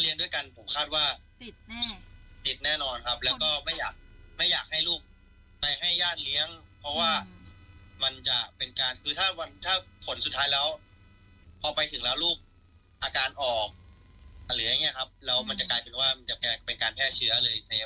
อย่างนี้ครับมันจะกลายเป็นการแพร่เชื้อเลย